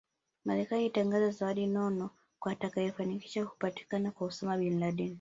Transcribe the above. Marekani ilitangaza zawadi nono kwa atakayefanikisha kupatikana kwa Osama Bin Laden